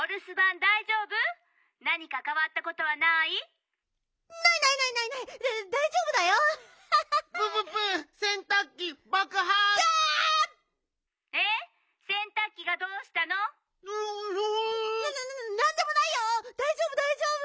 だいじょうぶだいじょうぶ！